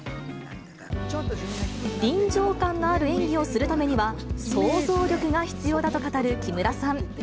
臨場感のある演技をするためには想像力が必要だと語る木村さん。